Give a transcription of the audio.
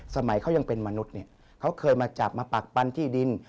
สมัยเขายังเป็นมนุษย์เนี่ยเขาเคยมาจับมาปักปันที่ดิน